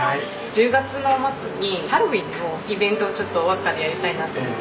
１０月の末にハロウィーンのイベントをちょっとわっかでやりたいなと思って。